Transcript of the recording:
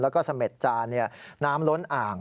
แล้วก็เสม็ดจานน้ำล้นอ่าง